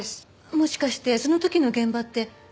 もしかしてその時の現場って定食屋さん？